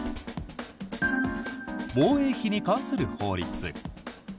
防衛費に関する法律。